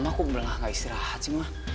aku berangkat istirahat sih ma